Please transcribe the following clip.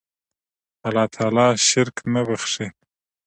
الله تعالی شرک نه بخښي